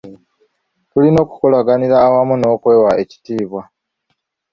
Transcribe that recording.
Tuyina okukolaganira awamu n’okwewa ekitiibwa